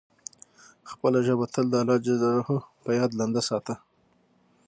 خپله ژبه تل د الله جل جلاله په یاد لنده ساته.